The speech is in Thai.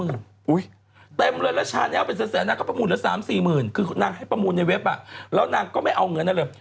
๑๒๐๐เอาไปเสียหนักประมูลละ๓๔๐๐คือนางให้ประมูลในเว็บนางก็ไม่เอาเงินนั่นเลย